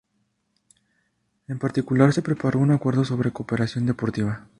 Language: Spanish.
En particular, se preparó un acuerdo sobre "cooperación deportiva".